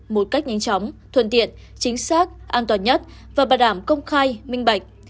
một cách nhanh chóng thuận tiện chính xác an toàn nhất và bảo đảm công khai minh bạch